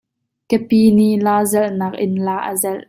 Kapi nih la zelhnak in la a zelh.